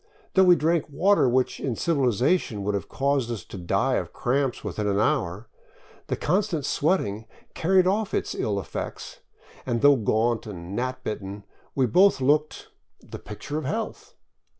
Though we drank water which, in civilization, would have caused us to die of cramps within an hour, the constant sweating carried off its evil effects, and though gaunt and gnat bitten, we both looked " the picture of health."